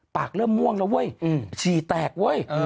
ปากเริ่มม่วงเว้ยชีแตกเว้ย